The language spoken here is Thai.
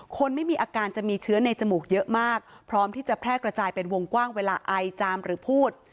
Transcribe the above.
คนไม่มีอาการจะมีเชื้อในจมูกเยอะมากพร้อมที่จะแพร่กระจายเป็นวงกว้างเวลาไอจามหรือพูด